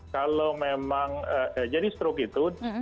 kalau memang jadi stroke itu